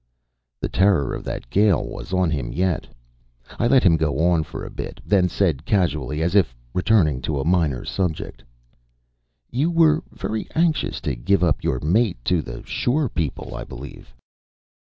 The terror of that gale was on him yet. I let him go on for a bit, then said, casually as if returning to a minor subject: "You were very anxious to give up your mate to the shore people, I believe?"